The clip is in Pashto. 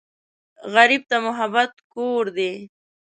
غریب ته محبت کور دی